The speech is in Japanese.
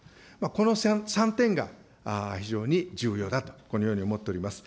この３点が非常に重要だとこのように思っております。